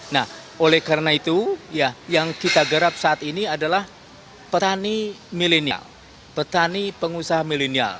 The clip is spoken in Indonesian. nah oleh karena itu ya yang kita gerap saat ini adalah petani milenial petani pengusaha milenial